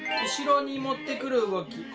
後ろに持ってくる動き